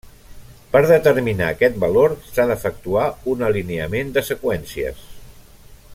Per determinar aquest valor, s'ha d'efectuar un alineament de seqüències.